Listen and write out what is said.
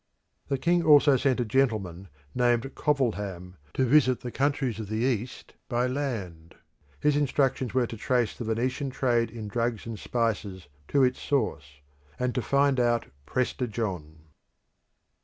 The king also sent a gentleman, named Covilham, to visit the countries of the East by land. His instructions were to trace the Venetian trade in drugs and spices to its source, and to find out Prester John.